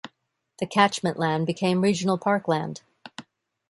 The catchment land became regional park land.